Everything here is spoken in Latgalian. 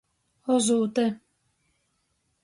Ozūte.